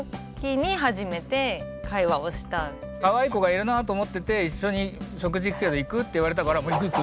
それでと思ってて「一緒に食事行くけど行く？」って言われたから「行く！行く！！」